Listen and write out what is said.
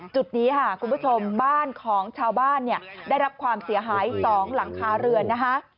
จุดนี้ค่ะคุณผู้ชมบ้านของชาวบ้านเนี่ยได้รับความเสียหาย๒หลังคาเรือนนะคะ